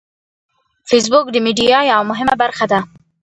فېسبوک د میډیا یوه مهمه برخه ده